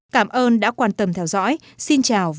cảm ơn đã quan tâm theo dõi xin chào và hẹn gặp lại